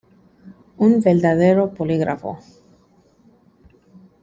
Un verdadero polígrafo.